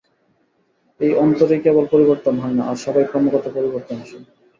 এই অনন্তেরই কেবল পরিবর্তন হয় না, আর সবই ক্রমাগত পরিবর্তনশীল।